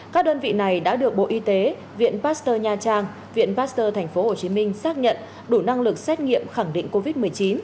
các đơn vị này đã được bộ y tế viện pasteur nha trang viện pasteur tp hcm xác nhận đủ năng lực xét nghiệm khẳng định covid một mươi chín